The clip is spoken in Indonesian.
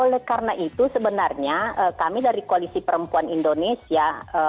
oleh karena itu sebenarnya kami dari koalisi perempuan indonesia